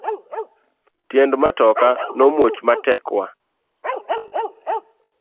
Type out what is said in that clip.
Tiend matoka no muoch matek wa.